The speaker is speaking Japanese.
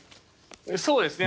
そうですね。